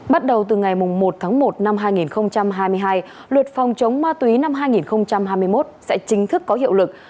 bắt đầu từ ngày một tháng một năm hai nghìn hai mươi hai luật phòng chống ma túy năm hai nghìn hai mươi một sẽ chính thức có hiệu lực